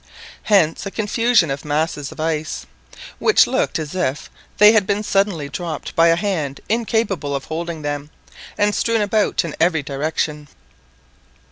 Hence a confusion of masses of ice, which looked as if they had been suddenly dropped by a hand incapable of holding them, and strewn about in every direction.